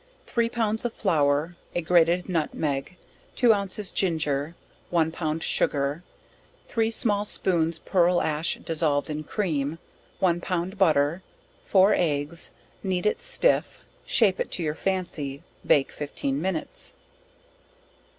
Three pounds of flour, a grated nutmeg, two ounces ginger, one pound sugar, three small spoons pearl ash dissolved in cream, one pound butter, four eggs, knead it stiff, shape it to your fancy, bake 15 minutes.